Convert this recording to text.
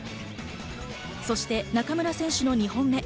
そして中村選手の２本目。